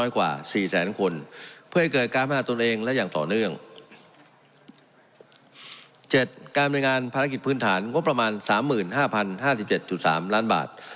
การบริการภารกิจพื้นฐานงบประมาณ๓๕๐๕๗๓ล้านบาท